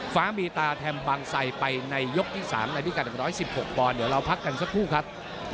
ฟ้ามีตาแถมบางไซไปในยกที่๓ในพิกัด๑๑๖ปอนด์เดี๋ยวเราพักกันสักครู่ครับ